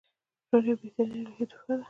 ژوند یوه بهترینه الهی تحفه ده